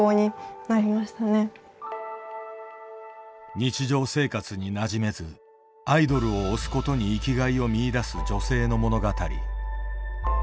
日常生活になじめずアイドルを推すことに生きがいを見いだす女性の物語。